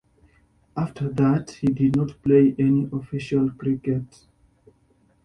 After that he did not play any official cricket.